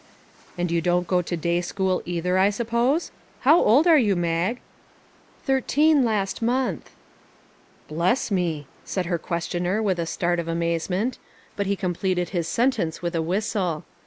" And you don't go to day school, either, I suppose ? How old are you, Mag ?"" Thirteen last month." 59 MAG AND MARGARET " Bless me !" said her questioner with a start of amazement; but he completed his sentence with a whistle.